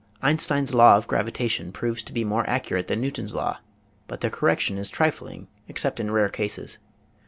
Einstein's law of gravitation proves to be more ac curate than Newton's law, but the correction is trifling except in rare cases.